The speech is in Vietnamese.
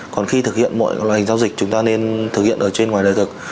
còn khi thực hiện mọi loại hình giao dịch chúng ta nên thực hiện ở trên ngoài đời thực